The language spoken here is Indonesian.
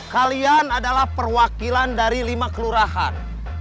kalian adalah perwakilan dari lima kelurahan